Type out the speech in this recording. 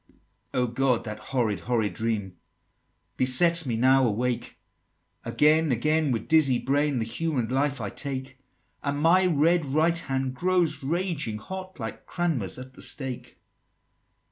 XXXIV. "Oh, God! that horrid, horrid dream Besets me now awake! Again again, with dizzy brain, The human life I take; And my red right hand grows raging hot, Like Cranmer's at the stake."